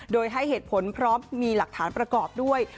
โดยให้เหตุผลพร้อมมีหลักฐานประกอบด้วย